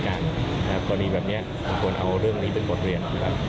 คราวนี้แบบนี้มโหลจนเอาเรื่องตัวเนี้ยเป็นบทเรียน